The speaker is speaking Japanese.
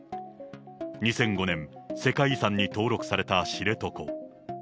２００５年、世界遺産に登録された知床。